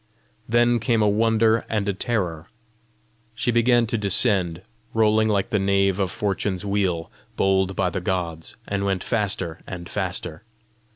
Then came a wonder and a terror: she began to descend rolling like the nave of Fortune's wheel bowled by the gods, and went faster and faster.